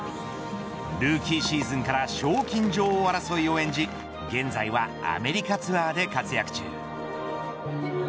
ルーキーシーズンから賞金女王争いを演じ現在はアメリカツアーで活躍中。